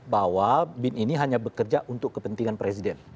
bahwa bin ini hanya bekerja untuk kepentingan presiden